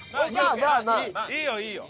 いいよいいよ。